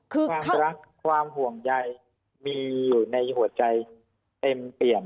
คือความรักความห่วงใยมีอยู่ในหัวใจเต็มเปี่ยม